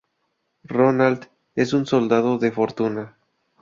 Ronald es un soldado de fortuna.